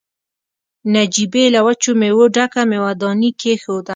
نجيبې له وچو مېوو ډکه مېوه داني کېښوده.